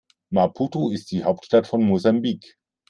Maputo ist die Hauptstadt von Mosambik.